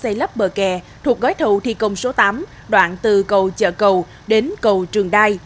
đơn vị lấp bờ kè thuộc gói thụ thi công số tám đoạn từ cầu chợ cầu đến cầu trường đai